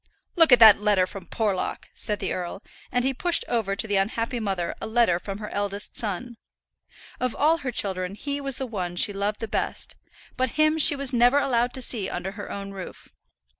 "Look at that letter from Porlock," said the earl; and he pushed over to the unhappy mother a letter from her eldest son. Of all her children he was the one she loved the best; but him she was never allowed to see under her own roof.